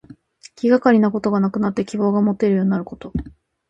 気がかりなことがなくなって希望がもてるようになること。